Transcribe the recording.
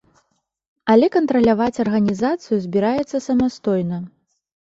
Але кантраляваць арганізацыю збіраецца самастойна.